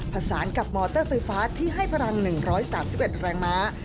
ผสานกับมอเตอร์ไฟฟ้าที่ให้พลัง๑๓๑แรงม้า